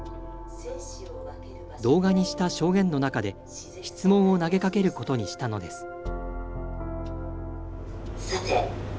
動画にした証言の中で、質問を投げかけることにしたのです。